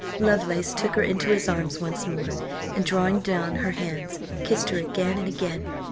Lovelace took her into his arms once more, and drawing down her hands, kissed her again and again.